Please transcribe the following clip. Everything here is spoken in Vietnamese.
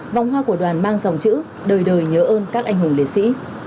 vòng hoa của đoàn mang dòng chữ đời đời nhớ ơn các anh hùng liệt sĩ